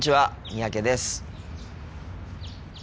三宅です。